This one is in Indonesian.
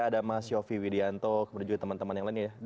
ada mas yofi widianto kemudian juga teman teman yang lainnya ya